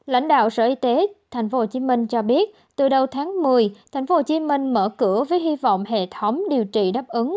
lãnh đạo sở y tế tp hcm cho biết từ đầu tháng một mươi tp hcm mở cửa với hy vọng hệ thống điều trị đáp ứng